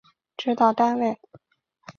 指导单位